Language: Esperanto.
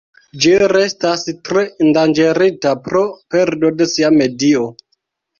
Ĝi restas tre endanĝerita pro perdo de sia medio.